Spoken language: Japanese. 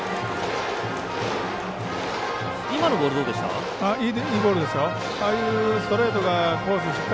今のボールどうでした？